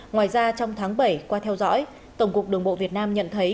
ngoài ra trong tháng bảy qua theo dõi tổng cục đường bộ việt nam nhận thấy